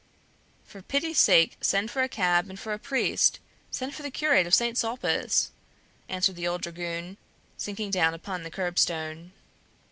"For pity's sake, send for a cab and for a priest; send for the curate of Saint Sulpice!" answered the old dragoon, sinking down upon the curbstone.